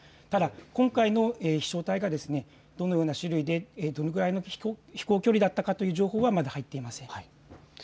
ただ、今回の飛しょう体がどのような種類でどれぐらいの飛行距離だったという情報は入っていません。